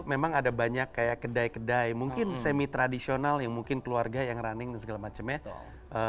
memang ada banyak kayak kedai kedai mungkin semi tradisional yang mungkin keluarga yang running dan segala macamnya